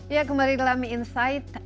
ya kembali ke lami insight